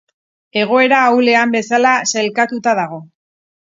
Egoera ahulean bezala sailkatuta dago.